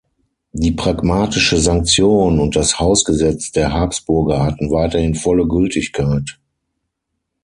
Die Pragmatische Sanktion und das Hausgesetz der Habsburger hatten weiterhin volle Gültigkeit.